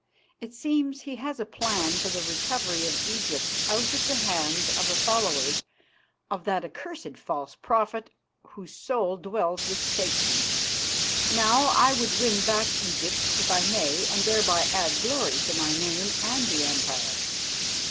It seems he has a plan for the recovery of Egypt out of the hands of the followers of that accursed false prophet whose soul dwells with Satan. Now, I would win back Egypt, if I may, and thereby add glory to my name and the Empire.